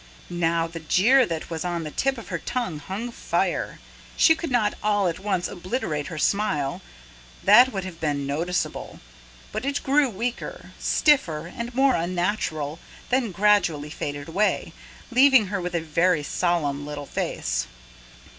Now, the jeer that was on the tip of her tongue hung fire. She could not all at once obliterate her smile that would have been noticeable; but it grew weaker, stiffer and more unnatural, then gradually faded away, leaving her with a very solemn little face.